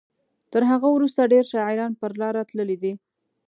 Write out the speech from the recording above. تر هغه وروسته ډیر شاعران پر لاره تللي دي.